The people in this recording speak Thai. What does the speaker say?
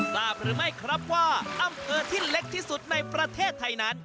ทราบหรือไม่ครับว่าอำเภอที่เล็กที่สุดในประเทศไทยนั้น